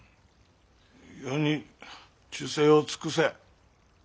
余に忠誠を尽くせ。